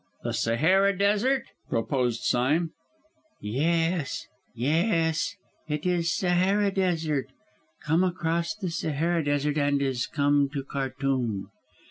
"The Sahara Desert?" proposed Sime. "Yes, yes! it is Sahara Desert! come across the Sahara Desert, and is come to Khartûm."